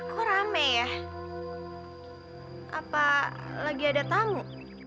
aku rame ya apa lagi ada tamu